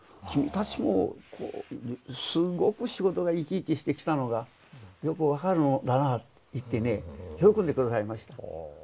「君たちもすごく仕事が生き生きしてきたのがよく分かるもんだな」と言ってね喜んで下さいました。